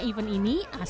event ini di jawa timur